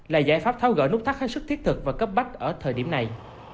là giải pháp tháo gỡ nút thắt hết sức thiết thực và cấp bách ở thời điểm này